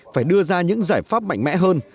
phải đưa ra những giải pháp mạnh mẽ hơn